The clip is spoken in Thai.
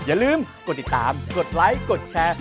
อย่าลืมกดติดตามกดไลค์กดแชร์